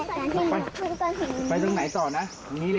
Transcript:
ใครจะสนุกแค่ตรงนี้ไปตรงไหนต่อนะอย่างงี้นี่